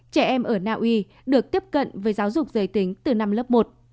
trẻ em ở naui được tiếp cận với giáo dục giới tính từ năm lớp một